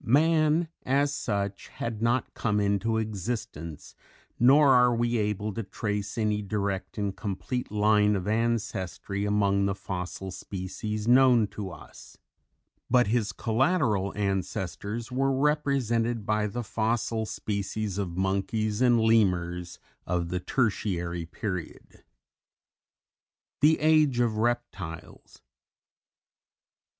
Man, as such, had not yet come into existence, nor are we able to trace any direct and complete line of ancestry among the fossil species known to us; but his collateral ancestors were represented by the fossil species of monkeys and lemurs of the Tertiary period. [Illustration: Fig. 1. The Later Ages of Geologic Time.] _The Age of Reptiles.